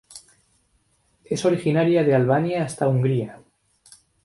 Es originaria de Albania hasta Hungría.